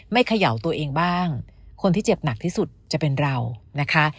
เขย่าตัวเองบ้างคนที่เจ็บหนักที่สุดจะเป็นเรานะคะ